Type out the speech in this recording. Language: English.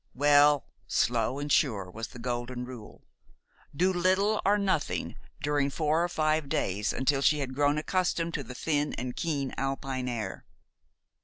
Well, slow and sure was the golden rule. Do little or nothing during four or five days, until she had grown accustomed to the thin and keen Alpine air.